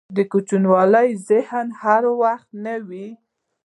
دکوچنیوالي ذهن هر وخت نه وي.